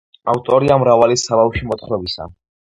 ავტორია მრავალი საბავშვო მოთხრობისა.